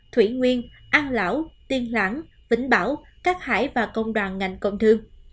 thủy nguyên an lão tiên lãng vĩnh bảo cát hải và công đoàn ngành công thương